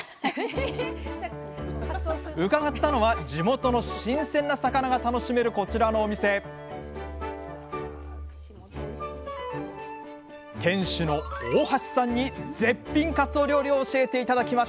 伺ったのは地元の新鮮な魚が楽しめるこちらのお店店主の大橋さんに絶品かつお料理を教えて頂きました！